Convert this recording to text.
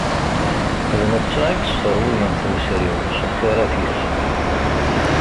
D netta i yesseṛwuyen tewser-iw s lxirat-is.